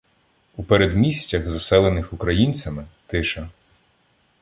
У передмістях, заселених українцями, — тиша.